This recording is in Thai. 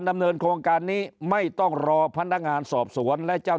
ดำเนินโครงการนี้ไม่ต้องรอพนักงานสอบสวนและเจ้า